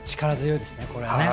力強いですね。